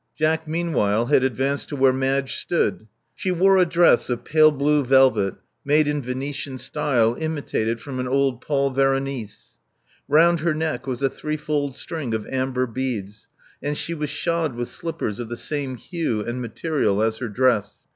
Jack meanwhile had advanced to where Madge stood. She wore a dress of pale blue velvet, made in Venetian style imitated from an old Paul Veronese. Round her neck was a threefold string of amber beads; and she was shod with slippers of the same hue and material as her dress.